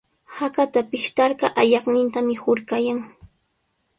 Hakata pishtarqa ayaqnintami hurqayan.